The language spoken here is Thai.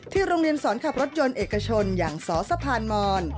โรงเรียนสอนขับรถยนต์เอกชนอย่างสสะพานมอน